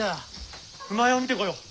厩を見てこよう。